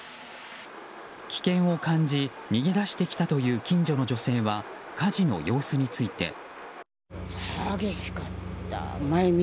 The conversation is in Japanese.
危険を感じ逃げ出してきたという近所の女性は火事の様子について。